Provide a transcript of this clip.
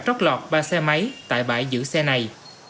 tróc lọt ba xe máy tại bãi giữ xe này